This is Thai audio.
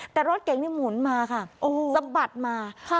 แต่รถเก๋งนี่หมุนมาค่ะโอ้โหสะบัดมาค่ะ